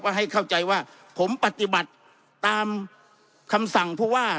ให้เข้าใจว่าผมปฏิบัติตามคำสั่งผู้ว่า